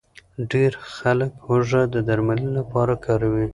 ډېر خلک هوږه د درملنې لپاره کاروي.